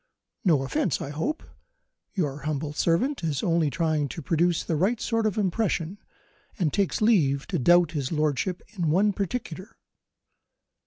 No offence, I hope? Your humble servant is only trying to produce the right sort of impression and takes leave to doubt his lordship in one particular."